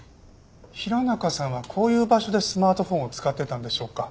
平中さんはこういう場所でスマートフォンを使ってたんでしょうか。